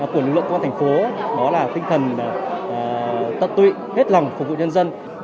của lực lượng công an tp đó là tinh thần tận tụy hết lòng phục vụ nhân dân